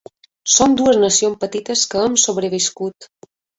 Som dues nacions petites que hem sobreviscut.